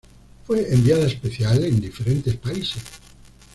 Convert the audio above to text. Fue enviada especial en diferentes países.